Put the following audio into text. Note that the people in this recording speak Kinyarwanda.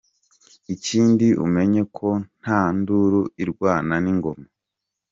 Ikindi umenye ko nta nduru irwana n’ingoma!